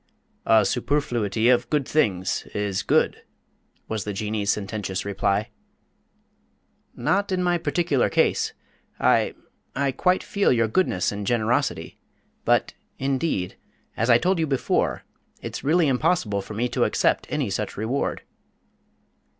"A superfluity of good things is good," was the Jinnee's sententious reply. "Not in my particular case. I I quite feel your goodness and generosity; but, indeed, as I told you before, it's really impossible for me to accept any such reward."